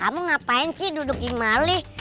kamu ngapain sih duduk di mali